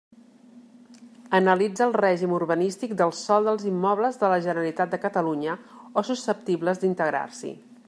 Analitza el règim urbanístic del sòl dels immobles de la Generalitat de Catalunya o susceptibles d'integrar-s'hi.